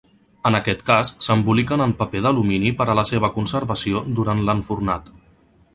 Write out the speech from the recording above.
En aquest cas, s'emboliquen en paper d'alumini per a la seva conservació durant l'enfornat.